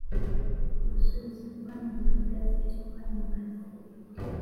gusubiza bwana rugagaza espoire mu kazi